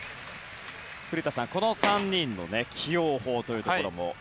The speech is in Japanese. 古田さん、この３人の起用法というところも。